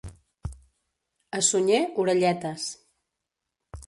A Sunyer, orelletes.